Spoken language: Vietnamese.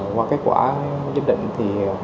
qua kết quả dự định thì